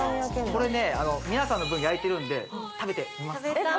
これね皆さんの分焼いてるんで食べてみますか？